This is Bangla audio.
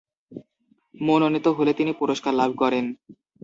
মনোনীত হলে তিনি পুরস্কার লাভ করেন।